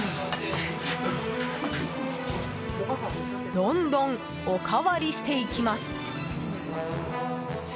どんどんおかわりしていきます。